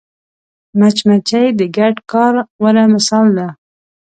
مچمچۍ د ګډ کار غوره مثال ده